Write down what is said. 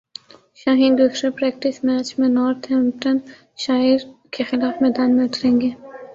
شاہین دوسرے practice match میں Northamptonshire کیخلاف میدان میں اتریں گے